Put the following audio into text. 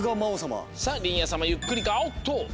さありんやさまゆっくりかおっと！